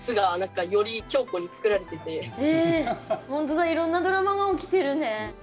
ほんとだいろんなドラマが起きてるね。